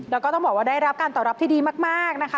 แล้วก็ต้องบอกว่าได้รับการตอบรับที่ดีมากนะคะ